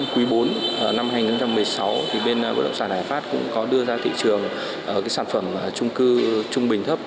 quý bốn năm hai nghìn một mươi sáu bên bất động sản hải pháp cũng có đưa ra thị trường sản phẩm trung cư trung bình thấp